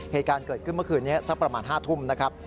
เหตุการณ์เกิดขึ้นเมื่อคืนนี้สักประมาณ๕ทุ่มนะครับ